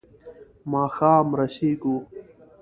ماښام رسېږو.